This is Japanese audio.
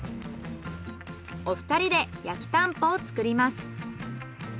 お二人で焼きたんぽを作ります。